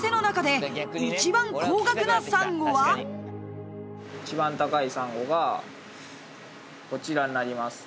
一番高いサンゴがこちらになります。